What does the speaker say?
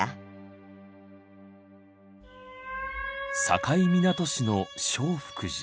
境港市の正福寺。